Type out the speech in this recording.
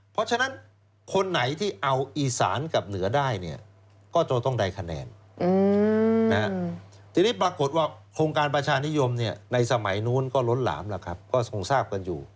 เพราะฉะนั้นคนไหนที่เอาอีสานกับเหนือได้เนี่ยก็จะต้องได้คะแนนทีนี้ปรากฏว่าโครงการประชานิยมในสมัยนู้นก็ล้นหลามแล้วครับก็คงทราบกันอยู่